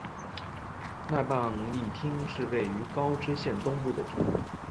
奈半利町是位于高知县东部的町。